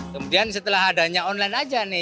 kemudian setelah adanya online aja nih